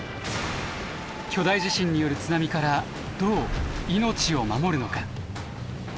巨大地震による津波からどう命を守るのか？